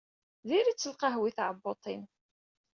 Diri-tt lqahwa i tɛebbuṭ-im.